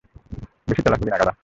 বেশি চালাক হবি না, গাধা!